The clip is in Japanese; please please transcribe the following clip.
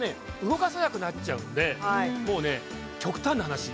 動かさなくなっちゃうんでもうね極端な話